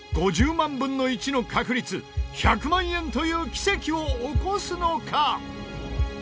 ５０万分の１の確率１００万円という奇跡を起こすのか？